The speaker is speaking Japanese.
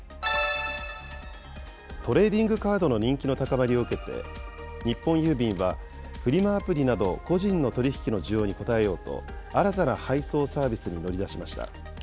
トレーディングカードの人気の高まりを受けて、日本郵便は、フリマアプリなど個人の取り引きの需要に応えようと、新たな配送サービスに乗り出しました。